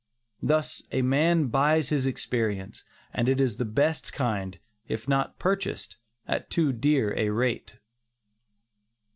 Thus a man buys his experience, and it is the best kind if not purchased at too dear a rate.